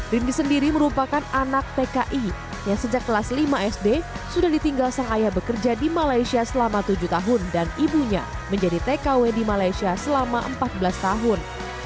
rindy sendiri merupakan anak pki yang sejak kelas lima sd sudah ditinggal sang ayah bekerja di malaysia selama tujuh tahun dan ibunya menjadi tkw di malaysia selama empat belas tahun